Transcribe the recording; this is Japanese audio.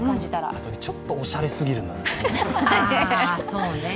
あと、ちょっとおしゃれすぎるのよ。